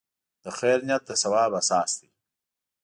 د خیر نیت د ثواب اساس دی.